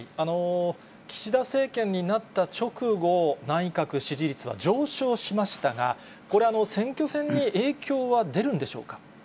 岸田政権になった直後、内閣支持率は上昇しましたが、これ、選挙戦に影響は出るんでしょうか。